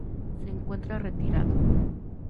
Se encuentra retirado.